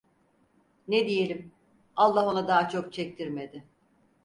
Ne diyelim… Allah ona daha çok çektirmedi…